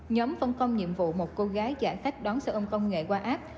nhóm phân công nhiệm vụ một cô gái giả khách đón xe ôm công nghệ qua áp